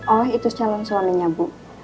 oleh itu calon suaminya bu